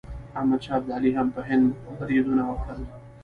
احمد شاه ابدالي هم په هند بریدونه وکړل.